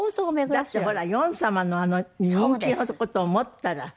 だってほらヨン様のあの人気の事を思ったら。